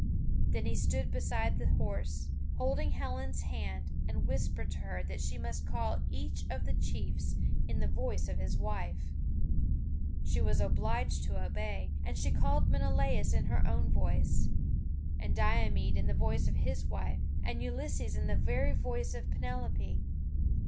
Then he stood beside the horse, holding Helen's hand, and whispered to her that she must call each of the chiefs in the voice of his wife. She was obliged to obey, and she called Menelaus in her own voice, and Diomede in the voice of his wife, and Ulysses in the very voice of Penelope.